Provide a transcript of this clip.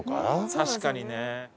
確かにね。